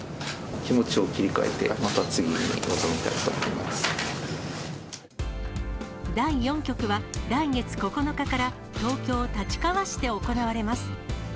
気持ちを切り替えて、また次第４局は、来月９日から、東京・立川市で行われます。